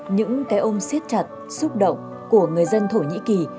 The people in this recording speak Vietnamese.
những cái ôm siết chặt xúc động của người dân thổ nhĩ kỳ